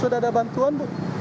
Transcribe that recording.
sudah ada bantuan